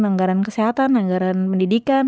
anggaran kesehatan anggaran pendidikan